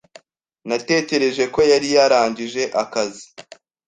Natekereje ko yari yarangije akazi.